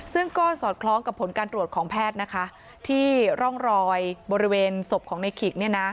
ซึ่งก็สอดคล้องกับผลการตรวจของแพทย์นะคะที่ร่องรอยบริเวณศพของในขิกเนี่ยนะ